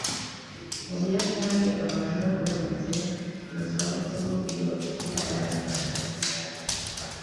mu buyapani abantu bageze mu za bukuru iyo bafite imyaka makumyabiri